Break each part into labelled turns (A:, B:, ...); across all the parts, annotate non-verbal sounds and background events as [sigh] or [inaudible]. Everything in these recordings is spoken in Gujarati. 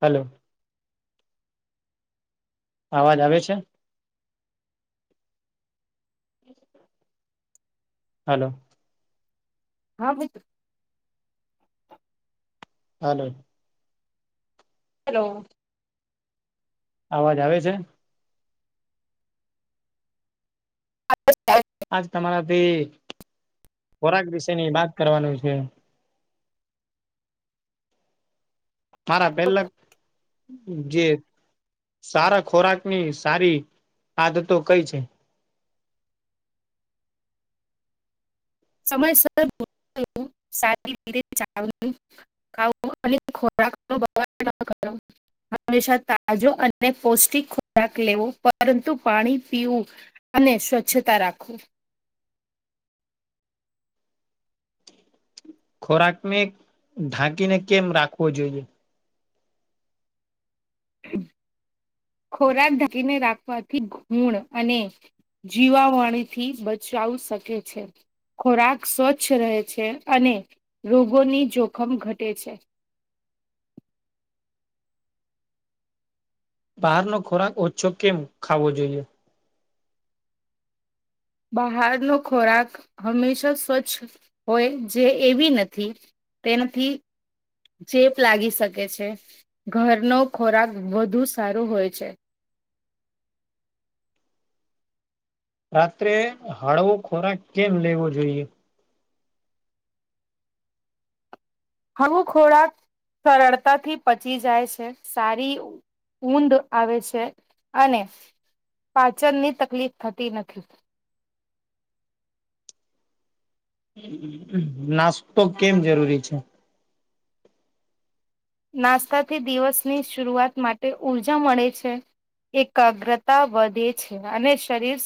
A: હલો. અવાજ આવે છે. હલો.
B: હા બ
A: હલો.
B: હલો.
A: અવાજ આવે છે.
B: હ [inaudible]
A: આજ તમારાથી ખોરાક વિશેની વાત કરવાનું છે. મારા પહેલક. જે સારા ખોરાક ની સારી આદતો કઈ છે.
B: સમય સર [inaudible] ખાવ અને ખોરાક નો બગાડ ના કરવો. હંમેશા તાજો અને પૌષ્ટિક ખોરાક લેવો પરંતુ પાણી પીવું અને સ્વચ્છતા રાખો.
A: ખોરાક ને ઢાંકીને કેમ રાખવો જોઈએ
B: ખોરાક ઢાકીને રાખવાથી ઘૂણ અને જીવાવાણીથી બચાવ શકે છે. ખોરાક સ્વચ્છ રહે છે અને રોગોની જોખમ ઘટે છે.
A: બહાર નો ખોરાક ઓછો કેમ ખાવો જોઈએ.
B: બહારનો ખોરાક હંમેશા સ્વચ્છ હોય જે એવી નથી તેન થી. ચેપ લાગી શકે છે ઘરનો ખોરાક વધુ સારો હોય છે.
A: રાત્રે હળવો ખોરાક કેમ લેવો જોઈએ.
B: હળવું ખોરાક સરળતા થી પચી જાય છે સારી ઊંડ આવે છે અને પાચનની તકલીફ થતી નથી.
A: નાસ્તો કેમ જરૂરી છે.?
B: નાસ્તાથી દિવસની શરૂઆત માટે ઊર્જા મળે છે. એકાગ્રતા વધે છે. અને શરીર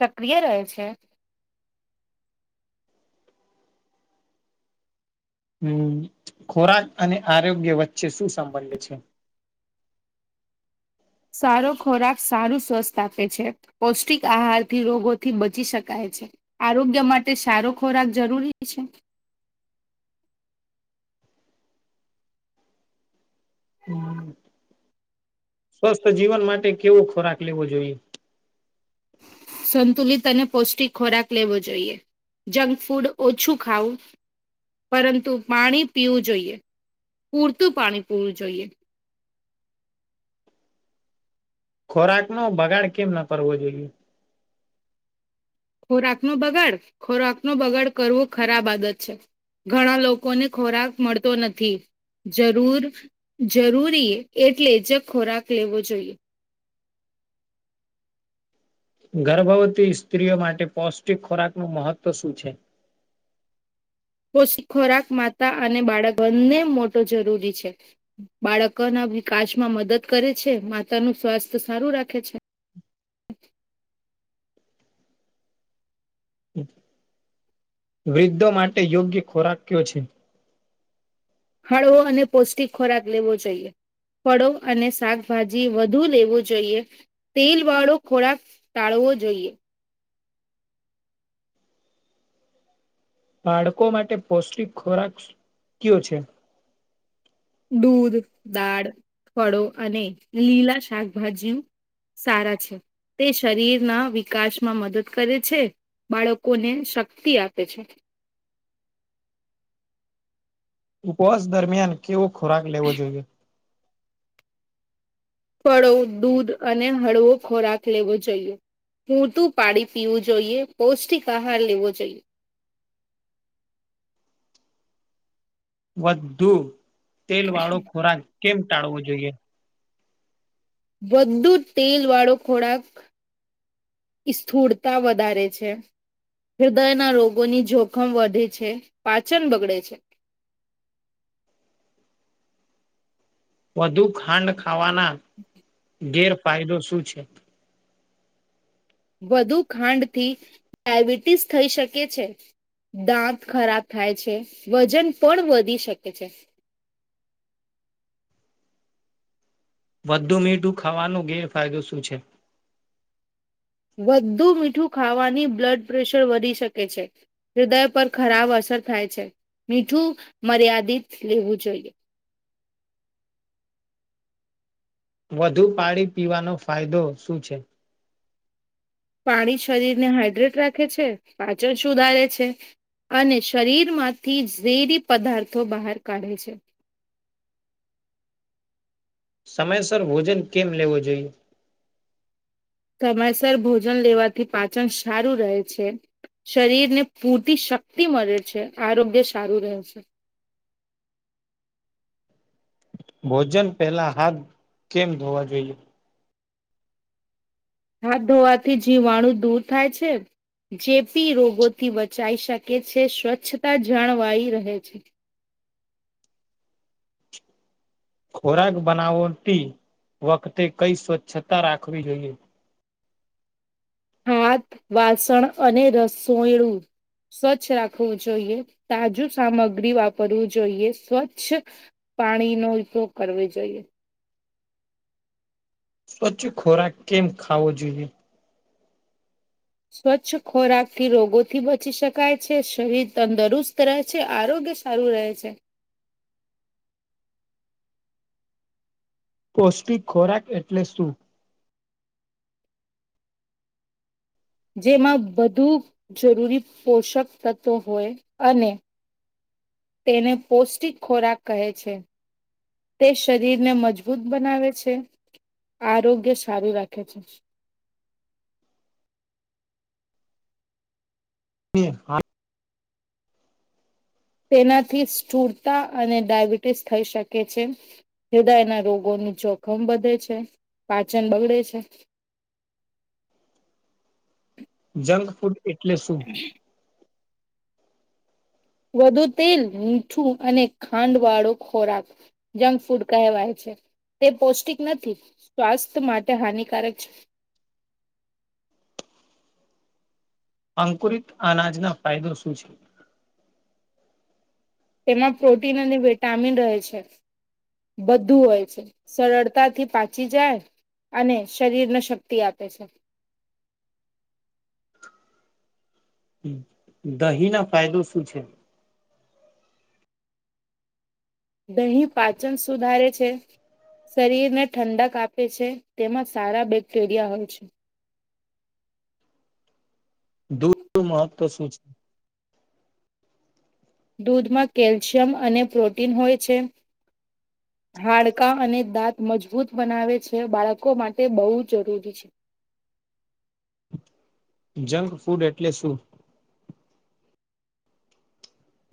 B: સક્રિય રહે છે.
A: હમ ખોરાક અને આરોગ્ય વચ્ચે શું સંબંધ છે.?
B: સારો ખોરાક સારું સ્વસ્થ આપે છે. પૌષ્ટિક આહારથી રોગોથી બચી શકાય છે. આરોગ્ય માટે સારો ખોરાક જરૂરી છે.
A: હમ સ્વસ્થ જીવન માટે કેવો ખોરાક લેવો જોઈએ.?
B: સંતુલિત અને પૌષ્ટિક ખોરાક લેવો જોઈએ. જંક ફૂડ ઓછું ખાવુ પરંતુ પાણી પીવું જોઈએ, પૂરતું પાણી પીવું જોઈએ.
A: ખોરાક નો બગાડ કેમ ના કરવો જોઈએ.?
B: ખોરાક નું બગાડ, ખોરાક નું બગાડ કરવું ખરાબ આદત છે. ઘણા લોકોને ખોરાક મળતો નથી. જરૂર જરૂરી, એટલે જ ખોરાક લેવો જોઈએ.
A: ગર્ભવતી સ્ત્રીઓ માટે પૌષ્ટિક ખોરાક નું મહત્વ શું છે.?
B: કોશી ખોરાક માતા અને બાળક બંને મોટો જરૂરી છે. બાળકો ના વિકાસમાં મદદ કરે છે. માતા નું સ્વાસ્થ્ય સારું રાખે છે.
A: વૃદ્ધો માટે યોગ્ય ખોરાક કયો છે.?
B: હળવો અને પૌષ્ટિક ખોરાક લેવો જોઈએ. ફળો અને શાકભાજી વધુ લેવું જોઈએ. તેલ વાળો ખોરાક ટાળવો જોઈએ.
A: બાળકો માટે પૌષ્ટિક ખોરાક કયો છે?
B: દૂધ, દાળ, ફળો અને લીલા શાકભાજી સારા છે. તે શરીરના વિકાસમાં મદદ કરે છે. બાળકોને શક્તિ આપે છે.
A: ઉપવાસ દરમિયાન કેવો ખોરાક લેવો જોઈએ.?
B: ફળો, દૂધ અને હળવો ખોરાક લેવો જોઈએ. પૂરટું પાણી પીવું જોઈએ, પૌષ્ટિક આહાર લેવો જોઈએ.
A: વધુ તેલ વાળો ખોરાક કેમ ટાળવો જોઈએ.?
B: બધું તેલ વાળો ખોરાક સ્થૂળતા વધારે છે. હૃદયના રોગોની જોખમ વધે છે. પાચન બગડે છે.
A: વધુ ખાંડ ખાવાના ગેરફાયદો શું છે.?
B: વધુ ખાંડથી ડાયબિટીસ થઈ શકે છે. દાંત ખરાબ થાય છે. વજન પણ વધી શકે છે.
A: વધુ મીઠું ખાવાનો ગેરફાયદો શું છે.?
B: વધુ મીઠું ખાવાની બ્લડ પ્રેશર વધી શકે છે. હૃદય પર ખરાબ અસર થાય છે. મીઠું મર્યાદિત લેવું જોઈએ.
A: વધુ પાણી પીવાનો ફાયદો શું છે.?
B: પાણી શરીર ને હાઈડ્રેટ રાખે છે. પાચન સુધારે છે. અને શરીર માંથી ઝેરી પદાર્થો બહાર કાઢે છે.
A: સમયસર ભોજન કેમ લેવો જોઈએ.?
B: સમયસર ભોજન લેવાથી પાચન સારું રહે છે. શરીર ને પૂરતી શક્તિ મળે છે. આરોગ્ય સારું રહે છે.
A: ભોજન પહેલા હાથ કેમ ધોવા જોઈએ.?
B: હાથ ધોવાથી જીવાણું દૂર થાય છે. ચેપી રોગોથી બચાઈ શકે છે. સ્વચ્છતા જળવાઈ રહે છે.
A: ખોરાક બનાવતી વખતે કઈ સ્વચ્છતા રાખવી જોઈએ.?
B: હાથ, વાસણ અને રસોડું સ્વચ્છ રાખવું જોઈએ તાજું સામગ્રી વાપરવું જોઈએ સ્વચ્છ પાણી નો ઉપયોગ કરવો જોઈએ
A: સ્વચ્છ ખોરાક કેમ ખાવો જોઈએ
B: સ્વચ્છ ખોરાકથી રોગોથી બચી શકાય છે શરીર તંદુરુસ્ત રહે છે આરોગ્ય સારુ રહે છે
A: પૌષ્ટિક ખોરાક એટલે શું
B: જેમાં બધુ જરૂરી પોષક તત્વો હોય અને તેને પૌષ્ટિક ખોરાક કહે છે તે શરીરને મજબૂત બનાવે છે આરોગ્ય સારું રાખે છે
A: એ
B: તેનાથી સ્થુળતા અને ડાયબિટીસ થઈ શકે છે હેદાયના રોગોનું જોખમ વધે છે પાચન બગડે છે
A: જંગ ફૂડ એટલે શું
B: [inaudible] વધુ તેલ મીઠું અને ખાંડ વાળો ખોરાક જંગ ફૂડ કહેવાય છે તે પૌષ્ટિક નથી સ્વાસ્થ્ય માટે હાનિકારક છે
A: અંકુરિત અનાજના ફાયદો શું છે
B: તેમાં પ્રોટીન અને વિટામિન રહે છે બધું હોય છે સરળતાથી પાચી જાય અને શરીરને શક્તિ આપે છે
A: દહીં ના ફાયદો શું છે
B: દહીં પાચન સુધારે છે શરીર ને ઠંડક આપે છે તેમાં સારા બેક્ટેરિયા હોય છે
A: દૂધ નુ મહત્વ શું છે
B: દૂધમાં કેલ્શિયમ અને પ્રોટીન હોય છે હાડકા અને દાંત મજબૂત બનાવે છે બાળકો માટે બહુ જરૂરી છે
A: જંક ફૂડ એટલે શું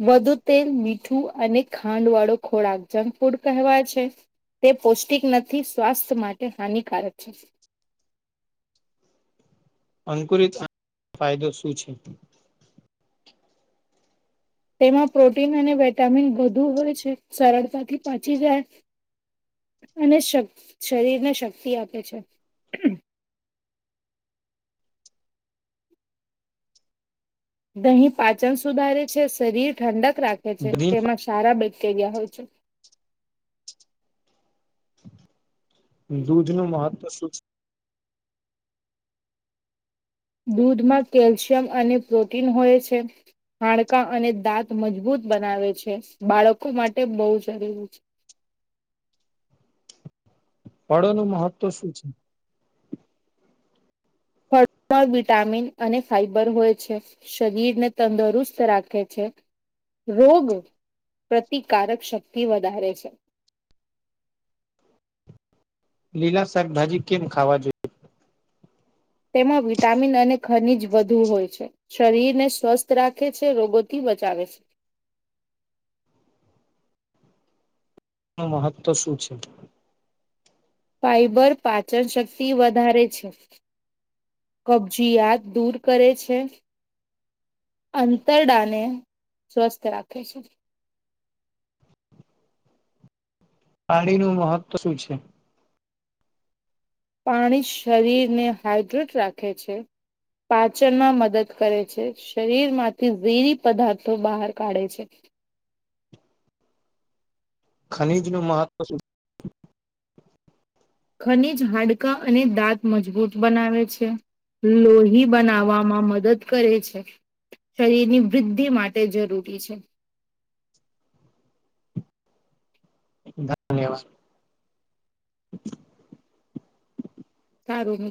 B: વધુ તેલ મીઠું અને ખાંડ વાળો ખોરાક જંક ફૂડ કહેવાય છે તે પૌષ્ટિક નથી સ્વાસ્થ્ય માટે હાનિકારક છે
A: અંકુરિત ફાયદો શું છે
B: તેમાં પ્રોટીન અને વટામિન વધુ હોય છે સરળતાથી પચી જાય અને શક્ શરીર ને શક્તિ આપે છે દહીં પાચન સુધારે છે શરીર ઠંડક રાખે છે તેમાં સારા બેક્ટેરિયા હોય છે
A: દૂધ નું મહત્વ શું છે
B: દૂધમાં કેલ્શિયમ અને પ્રોટીન હોય છે હાડકા અને દાંત મજબૂત બનાવે છે બાળકો માટે બહુ જરૂરી છે
A: ફળો નું મહત્વ શું છે
B: વિટામિન અને ફાઈબર હોય છે શરીર ને તંદુરુસ્ત રાખે છે રોગ પ્રતિકારક શક્તિ વધારે છે
A: લીલા શાકભાજી કેમ ખાવા જોઈએ
B: તેમાં વિટામિન અને ખનીજ વધુ હોય છે શરીરને સ્વસ્થ રાખે છે રોગોથી બચાવે છે
A: નું મહત્વ શું છે
B: ફાઈબર પાચનશક્તિ વધારે છે કબજીયાત દૂર કરે છે અંતરડાને સ્વસ્થ રાખે છે
A: પાણી નું મહત્વ શું છે
B: પાણી શરીરને હાઈડ્રેટ રાખે છે. પાચનમાં મદદ કરે છે શરીરમાંથી ઝેરી પદાર્થો બહાર કાઢે છે.
A: ખનીજ નું મહત્વ શું?
B: ખનીજ હાડકા અને દાંત મજબૂત બનાવે છે. લોહી બનાવવામાં મદદ કરે છે. શરીરની વૃદ્ધિ માટે જરૂરી છે.
A: ધન્યવાદ.
B: સારું